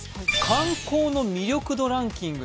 観光の魅力度ランキング